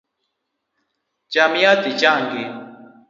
Cham yath ichangi.